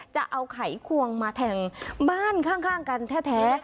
จะเอาไขควงมาแทงบ้านข้างกันแท้